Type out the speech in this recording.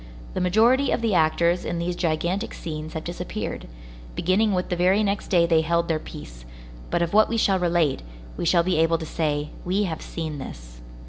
The majority of the actors in these gigantic scenes have disappeared; beginning with the very next day they held their peace; but of what we shall relate, we shall be able to say: "We have seen this."